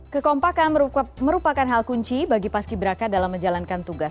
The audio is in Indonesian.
kekompakan merupakan hal kunci bagi paski braka dalam menjalankan tugas